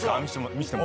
見せても。